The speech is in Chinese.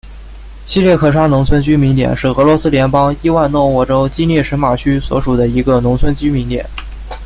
希列克沙农村居民点是俄罗斯联邦伊万诺沃州基涅什马区所属的一个农村居民点。